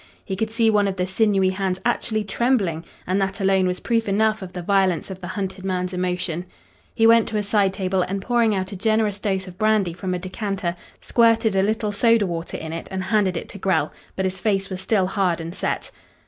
He could see one of the sinewy hands actually trembling, and that alone was proof enough of the violence of the hunted man's emotion. He went to a side table, and pouring out a generous dose of brandy from a decanter, squirted a little soda water in it and handed it to Grell. But his face was still hard and set.